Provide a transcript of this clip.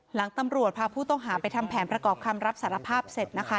หลังตำรวจพาผู้ต้องหาไปทำแผนประกอบคำรับสารภาพเสร็จนะคะ